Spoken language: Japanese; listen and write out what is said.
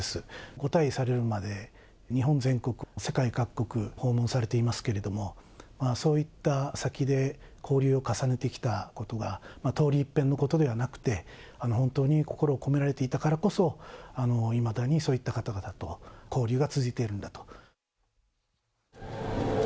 ご退位されるまで、日本全国、世界各国、訪問されていますけれども、そういった先で交流を重ねてきたことが、通り一遍のことではなくて、本当に心を込められていたからこそ、いまだに、そういった方々と交流が続いているんだと。